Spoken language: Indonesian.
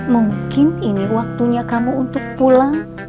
mungkin ini waktunya kamu untuk pulang